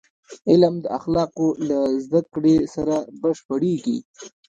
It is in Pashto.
علم د اخلاقو له زدهکړې سره بشپړېږي.